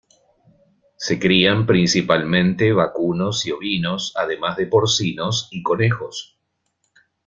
Se crían principalmente vacunos y ovinos, además de porcinos y conejos.